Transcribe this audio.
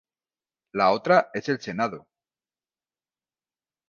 La otra es el Senado.